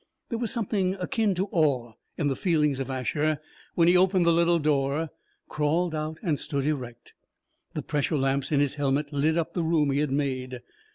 There was something akin to awe in the feelings of Asher when he opened the little door, crawled out and stood erect. The pressure lamps in his helmet lit up the room he had made.